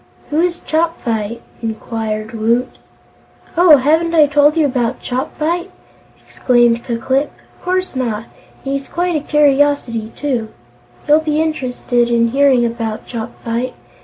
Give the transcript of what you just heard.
"Who is Chopfyt?" inquired Woot. "Oh, haven't I told you about Chopfyt?" exclaimed Ku Klip. "Of course not! And he's quite a curiosity, too. You'll be interested in hearing about Chopfyt.